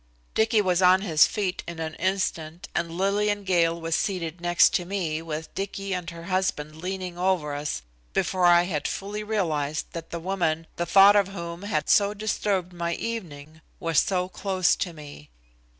Dicky was on his feet in an instant and Lillian Gale was seated next to me with Dicky and her husband leaning over us before I had fully realized that the woman, the thought of whom had so disturbed my evening, was so close to me.